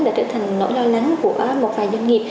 đã trở thành nỗi lo lắng của một vài doanh nghiệp